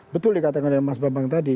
betul dikatakan mas bambang tadi